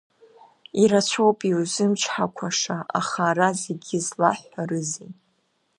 Ирацәаӡоуп иузымчҳақәаша, аха ара зегьы злаҳҳәарызеи.